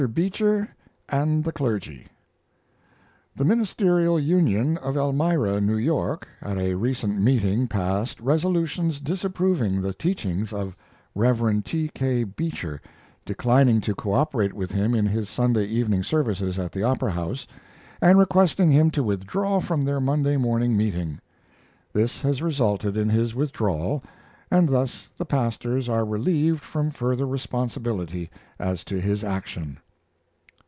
BEECHER AND THE CLERGY "The Ministerial Union of Elmira, N. Y., at a recent meeting passed resolutions disapproving the teachings of Rev. T. K. Beecher, declining to co operate with him in his Sunday evening services at the Opera House, and requesting him to withdraw from their Monday morning meeting. This has resulted in his withdrawal, and thus the pastors are relieved from further responsibility as to his action."